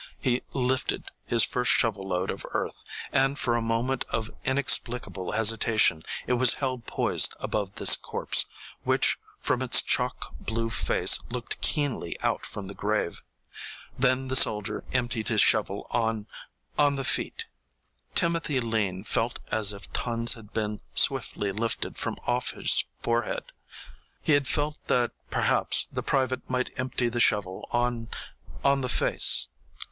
He lifted his first shovel load of earth, and for a moment of inexplicable hesitation it was held poised above this corpse, which from its chalk blue face looked keenly out from the grave. Then the soldier emptied his shovel on on the feet. Timothy Lean felt as if tons had been swiftly lifted from off his forehead. He had felt that perhaps the private might empty the shovel on on the face.